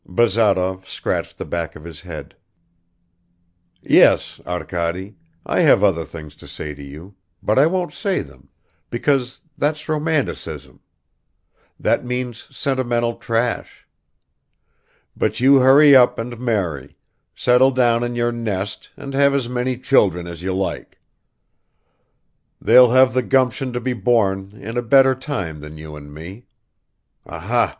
Bazarov scratched the back of his head. "Yes, Arkady, I have other things to say to you, but I won't say them, because that's romanticism that means sentimental trash. But you hurry up and marry, settle down in your nest and have as many children as you like. They'll have the gumption to be born in a better time than you and me. Aha!